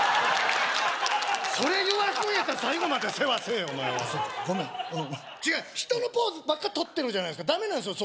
それ言わすんやったら最後まで世話せえお前はあっそっかごめん違う人のポーズばっかとってるじゃないですかダメなんですよ